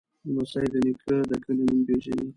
لمسی د نیکه د کلي نوم پیژني.